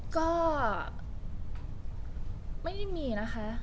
ก็ไม่ได้มีนะคะ